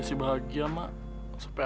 emak juga tahu kita tak miskin